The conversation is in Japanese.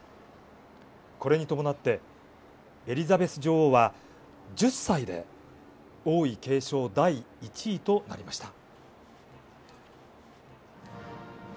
これに伴って、エリザベス女王は１０歳で王位継承第１位となりました。